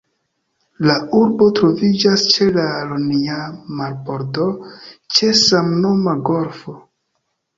La urbo troviĝas ĉe la Ionia marbordo, ĉe samnoma golfo.